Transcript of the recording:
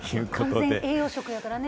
完全栄養食やからね。